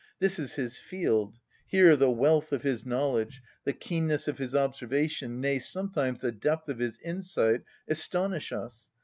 This is his field; here the wealth of his knowledge, the keenness of his observation, nay, sometimes the depth of his insight, astonish us.